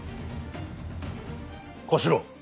小四郎。